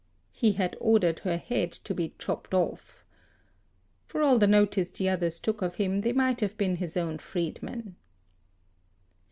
He had ordered her head to be chopped off. For all the notice the others took of him, they might have been his own freedmen.